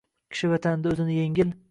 Kishi vatanida o‘zini yengil